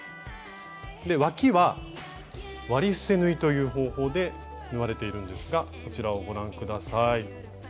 わきは「割り伏せ縫い」という方法で縫われているんですがこちらをご覧下さい。